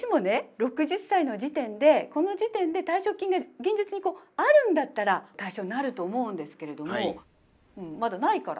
６０歳の時点でこの時点で退職金が現実にこうあるんだったら対象になると思うんですけれどもまだないから。